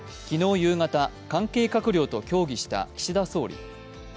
夕方、関係閣僚と協議した岸田総理。